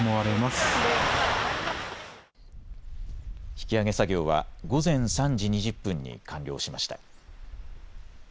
引き揚げ作業は午前３時２０分に完了しました。